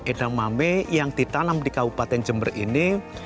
edamame yang ditanam di kabupaten jember ini